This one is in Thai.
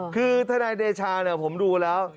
คือทนายเดชาผมดูแล้ว